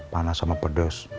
panas sama pedes